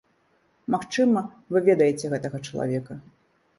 Магчыма, вы ведаеце гэтага чалавека.